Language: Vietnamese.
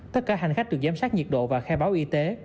tất cả hành khách được giám sát nhiệt độ và khai báo y tế